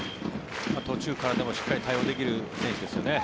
途中からでもしっかり対応できる選手ですよね。